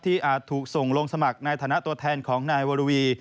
อาจถูกส่งลงสมัครในฐานะตัวแทนของนายวรวี